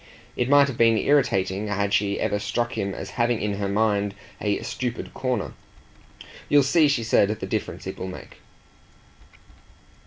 It might have been irritating had she ever struck him as having in her mind a stupid corner. "You'll see," she said, "the difference it will make."